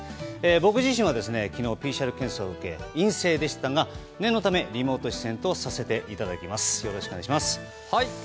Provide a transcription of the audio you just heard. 僕自身は昨日ＰＣＲ検査を受け陰性でしたが念のため、リモート出演とさせていただきます。